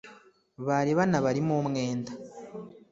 bari banabarimo umwenda